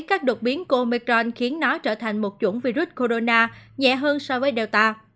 các đột biến của omicron khiến nó trở thành một chủng virus corona nhẹ hơn so với delta